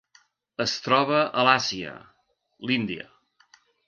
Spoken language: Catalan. Es troba a Àsia: l'Índia.